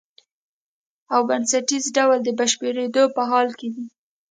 او بنسټیز ډول د بشپړېدو په حال کې دی.